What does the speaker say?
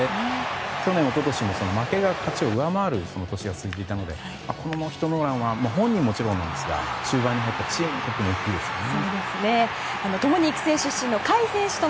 去年、一昨年も負けが勝ちを上回る年が続いていたのでこのノーヒットノーランは本人はもちろんなんですが中盤に入ったチームにとっても大きいですよね。